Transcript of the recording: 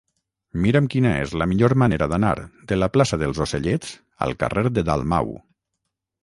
Mira'm quina és la millor manera d'anar de la plaça dels Ocellets al carrer de Dalmau.